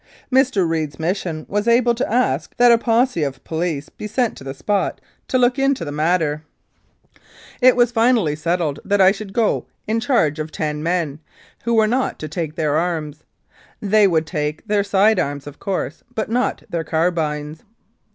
Mr. Reed's mission was to ask that a posse of police be sent to the spot to look into the matter. It 140 The Crooked Lakes Affair was finally settled that I should go in charge of ten men, who were not to take their arms. They would take their side arms, of course, but not their carbines.